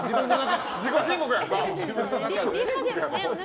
自己申告やんな。